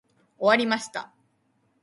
終わりました。